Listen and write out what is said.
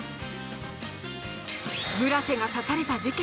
村瀬が刺された事件。